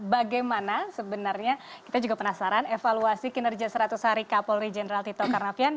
bagaimana sebenarnya kita juga penasaran evaluasi kinerja seratus hari kapolri jenderal tito karnavian